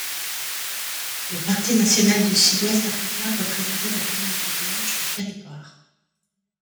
Le parti national du Sud-Ouest africain représentait la communauté blanche du territoire.